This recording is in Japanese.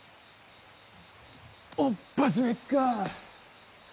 おっぱじめっか！